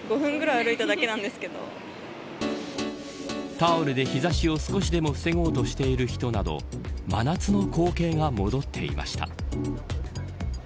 タオルで日差しを少しでも防ごうとしている人など真夏の光景が戻っていました。